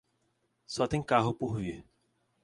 Só tem carro por vir